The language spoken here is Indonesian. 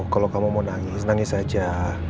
kalau kamu mau nangis nangis saja